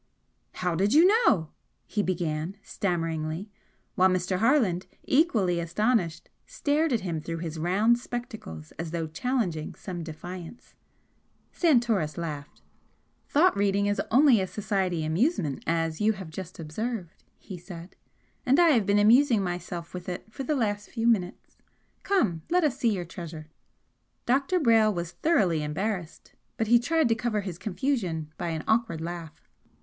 "How did you know?" he began, stammeringly, while Mr. Harland, equally astonished, stared at him through his round spectacles as though challenging some defiance. Santoris laughed. "Thought reading is only a society amusement, as you have just observed," he said "And I have been amusing myself with it for the last few minutes. Come! let us see your treasure!" Dr. Brayle was thoroughly embarrassed, but he tried to cover his confusion by an awkward laugh.